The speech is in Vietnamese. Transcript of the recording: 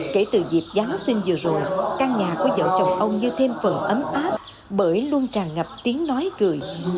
kể từ dịp giáng sinh vừa rồi căn nhà của vợ chồng ông như thêm phần ấm áp bởi luôn tràn ngập tiếng nói cười